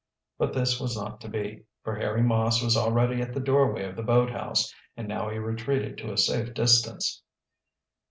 But this was not to be, for Harry Moss was already at the doorway of the boathouse and now he retreated to a safe distance.